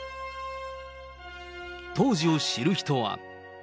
当時を知る人は。